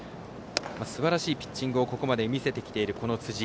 すばらしいピッチングを見せてきている辻。